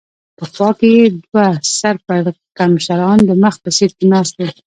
په خوا کې یې دوه سر پړکمشران د مخ په سېټ کې ناست و.